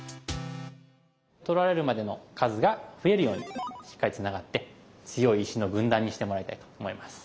取られるまでの数が増えるようにしっかりつながって強い石の軍団にしてもらいたいと思います。